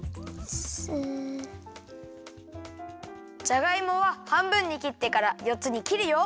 じゃがいもははんぶんにきってから４つにきるよ。